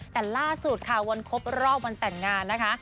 แต่ล่าสุดค่ะวันครบรอบวันแต่งงานนะคะ